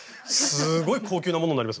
すごい高級なものになりますよ。